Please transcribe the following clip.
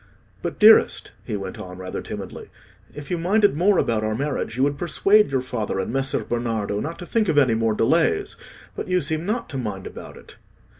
"But, dearest," he went on, rather timidly, "if you minded more about our marriage, you would persuade your father and Messer Bernardo not to think of any more delays. But you seem not to mind about it."